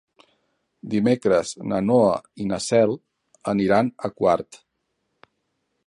Dimecres na Noa i na Cel aniran a Quart.